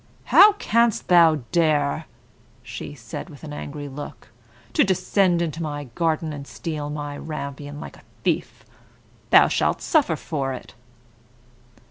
"How can you dare," said she with angry look, "to descend into my garden and steal my rampion like a thief? You shall suffer for it!"